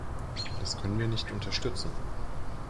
Das können wir nicht unterstützen!